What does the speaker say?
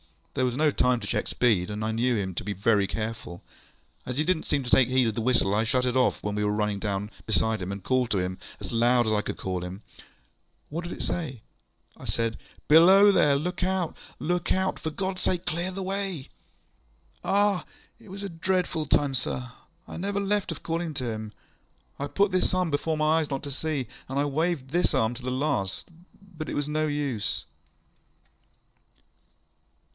There was no time to check speed, and I knew him to be very careful. As he didnŌĆÖt seem to take heed of the whistle, I shut it off when we were running down upon him, and called to him as loud as I could call. ŌĆØ ŌĆ£What did you say? ŌĆØ ŌĆ£I said, ŌĆśBelow there! Look out! Look out! For GodŌĆÖs sake, clear the way! ŌĆÖŌĆØ I started. ŌĆ£Ah! it was a dreadful time, sir. I never left off calling to him. I put this arm before my eyes not to see, and I waved this arm to the last; but it was no use.